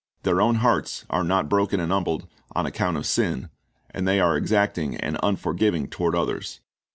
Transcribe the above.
Their own hearts are not broken and humbled on account of sin, and they are exactine; and unfor""iving toward others.